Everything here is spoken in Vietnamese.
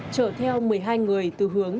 chở theo một mươi hai người từ hướng